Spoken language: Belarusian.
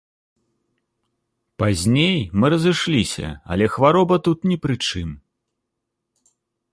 Пазней мы разышліся, але хвароба тут ні пры чым.